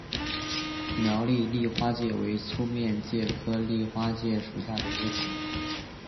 苗栗丽花介为粗面介科丽花介属下的一个种。